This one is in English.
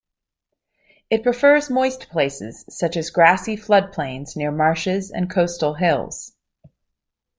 It prefers moist places, such as grassy floodplains near marshes and coastal hills.